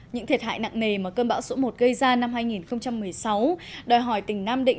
những thiệt hại nặng nề mà cơn bão số một gây ra năm hai nghìn một mươi sáu đòi hỏi tỉnh nam định